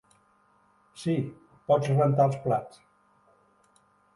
Sí, pots rentar els plats.